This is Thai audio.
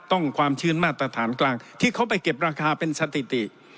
ความชื้นมาตรฐานกลางที่เขาไปเก็บราคาเป็นสถิติ